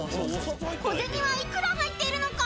［小銭は幾ら入っているのか］